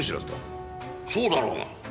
そうだろうが。